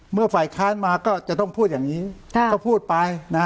เมื่อฝ่ายค้านมาก็จะต้องพูดอย่างนี้ก็พูดไปนะ